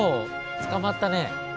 つかまった。